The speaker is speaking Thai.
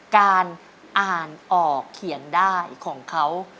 การอ่านออกเขียนได้ของเขา